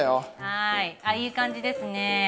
あいい感じですね。